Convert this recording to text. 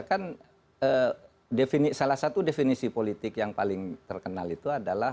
kan salah satu definisi politik yang paling terkenal itu adalah